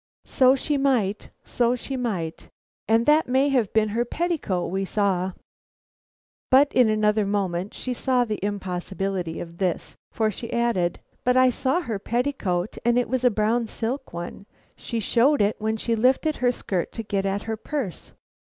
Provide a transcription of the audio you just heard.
"So she might, so she might, and that may have been her petticoat we saw." But in another moment she saw the impossibility of this, for she added: "But I saw her petticoat, and it was a brown silk one. She showed it when she lifted her skirt to get at her purse.